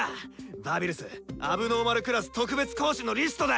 バビルス問題児クラス特別講師のリストだ！